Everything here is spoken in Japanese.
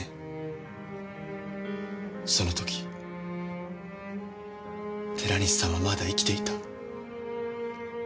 その時寺西さんはまだ生きていた。